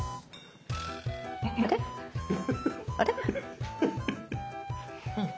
あれ？